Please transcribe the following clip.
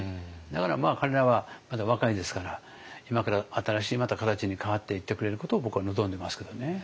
だから彼らはまだ若いですから今から新しいまた形に変わっていってくれることを僕は望んでますけどね。